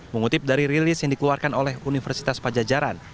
mengutip dari rilis yang dikeluarkan oleh universitas pajajaran